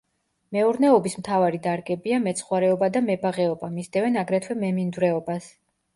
მეურნეობის მთავარი დარგებია: მეცხვარეობა და მებაღეობა, მისდევენ აგრეთვე მემინდვრეობას.